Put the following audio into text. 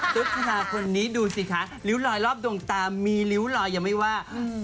ตุ๊กธนาคนนี้ดูสิคะริ้วลอยรอบดวงตามีริ้วลอยยังไม่ว่า